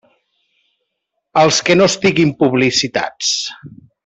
Els que no estiguin publicitats.